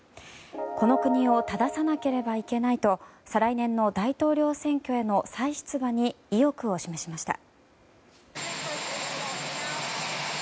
この国を正さなければいけないと再来年の大統領選挙への再出馬に意欲を示しました。